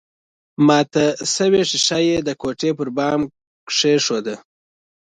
ماته شوې ښيښه يې د کوټې پر بام کېښوده